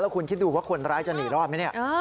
แล้วคุณคิดดูว่าคนร้ายจะหนีรอดมั้ย